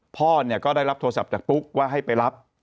พ่อเนี่ยก็ได้รับโทรศัพท์จากปุ๊กว่าให้ไปรับ